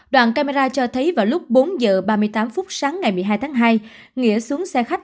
đoạn camera cho thấy vào lúc bốn h ba mươi tám phút sáng ngày một mươi hai tháng hai nghĩa xuống xe khách